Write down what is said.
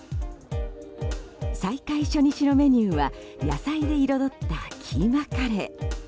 再開初日のメニューは野菜で彩ったキーマカレー。